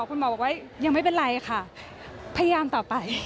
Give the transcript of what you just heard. คุณหมอบอกว่ายังไม่เป็นไรค่ะพยายามต่อไป